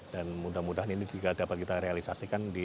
mudah mudahan ini juga dapat kita realisasikan